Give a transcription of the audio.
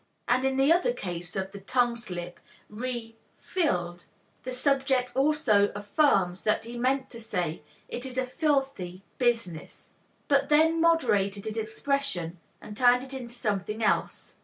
'" And in the other case of the tongue slip re filed the subject also affirms that he meant to say "It is a fil thy business," but then moderated his expression and turned it into something else.